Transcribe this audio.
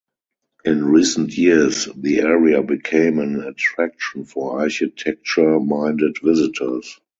In recent years, the area became an attraction for architecture-minded visitors.